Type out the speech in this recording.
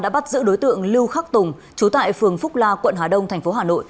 đã bắt giữ đối tượng lưu khắc tùng trú tại phường phúc la quận hà đông tp hà nội